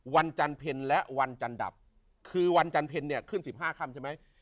วันจันทร์เพลินและวันจันทร์ดับคือวันจันทร์เพลินเนี่ยขึ้นสิบห้าค่ำใช่ไหม